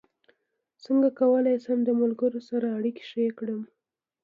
څنګه کولی شم د ملګرو سره اړیکې ښې کړم